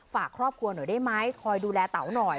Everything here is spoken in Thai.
ฝากครอบครัวหน่อยได้ไหมคอยดูแลเต๋าหน่อย